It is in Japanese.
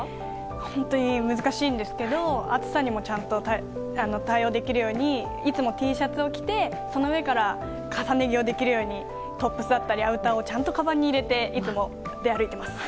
本当に難しいんですけど暑さにもちゃんと対応できるようにいつもＴシャツを着てその上から重ね着できるようにトップスだったりアウターをちゃんと、かばんに入れていつも出歩いています。